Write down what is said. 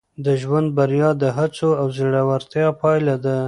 د ژوند بریا د هڅو او زړورتیا پایله ده.